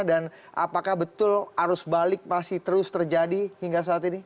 dan apakah betul arus balik masih terus terjadi hingga saat ini